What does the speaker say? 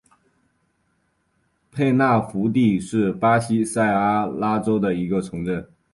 佩纳福蒂是巴西塞阿拉州的一个市镇。